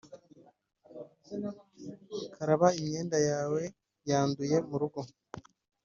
karaba imyenda yawe yanduye murugo.